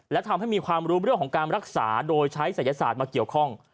และทำให้มีความรู้เรื่องของการรักษาโดยใช้ศัยศาสตร์มาเกี่ยวข้อง